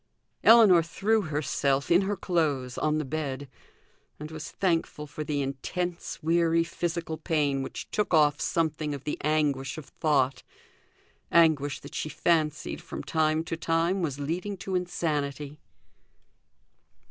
Ellinor threw herself, in her clothes, on the bed; and was thankful for the intense weary physical pain which took off something of the anguish of thought anguish that she fancied from time to time was leading to insanity.